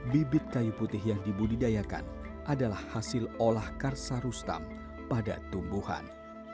bibit kayu putih yang dibudidayakan adalah hasil olah karsa rustam pada tumbuhan